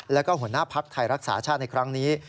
แล้วก็หัวหน้าภักดิ์ไทยรักษาชาติในครั้งนี้